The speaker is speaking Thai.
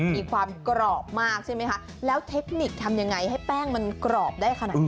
มีความกรอบมากใช่ไหมคะแล้วเทคนิคทำยังไงให้แป้งมันกรอบได้ขนาดนี้